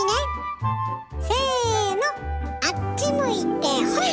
せのあっち向いてホイ！